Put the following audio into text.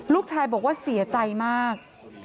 ลูกชายบอกว่าเสียใจมาก